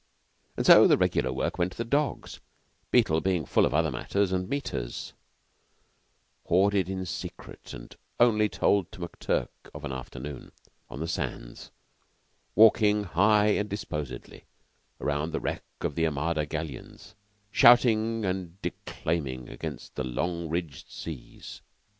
So the regular work went to the dogs, Beetle being full of other matters and meters, hoarded in secret and only told to McTurk of an afternoon, on the sands, walking high and disposedly round the wreck of the Armada galleon, shouting and declaiming against the long ridged seas.